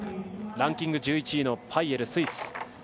ランキング１１位のパイエルスイス。